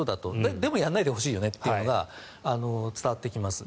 でもやらないでほしいよねというのが伝わってきます。